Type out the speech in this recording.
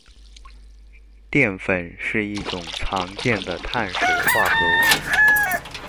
澱粉是一種常見的碳水化合物